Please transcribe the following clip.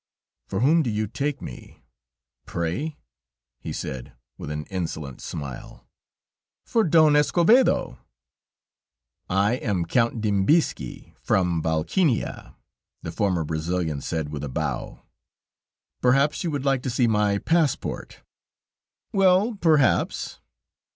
"For whom do you take me, pray?" he said with an insolent smile. "For Don Escovedo." "I am Count Dembizki from Valkynia," the former Brazilian said with a bow; "perhaps you would like to see my passport." "Well, perhaps...."